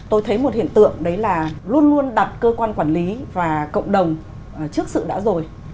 tôi thấy một hiện tượng đấy là luôn luôn đặt cơ quan quản lý và cộng đồng trước sự đã rồi